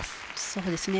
そうですね。